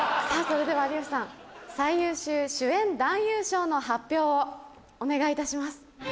それでは有吉さん最優秀主演男優賞の発表をお願いいたします。